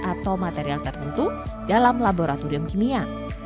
atau material tertentu dalam laboratorium kimia